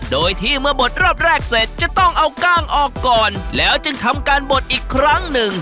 โดยที่เมื่อบดรอบแรกเสร็จจะต้องเอากล้างออกก่อนแล้วจึงทำการบดอีกครั้งหนึ่ง